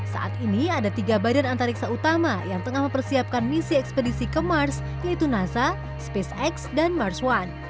saat ini ada tiga badan antariksa utama yang tengah mempersiapkan misi ekspedisi ke mars yaitu nasa spacex dan mars one